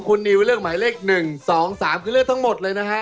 คุณนิวเลือกหมายเลขหนึ่งสองสามคือเลือกทั้งหมดเลยนะครับ